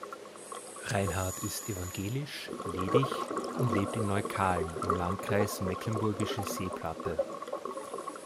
Reinhardt ist evangelisch, ledig und lebt in Neukalen im Landkreis Mecklenburgische Seenplatte.